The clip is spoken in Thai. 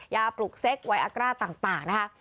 ยาปลุกเซ็กต์ไวอักราศต่างนะครับ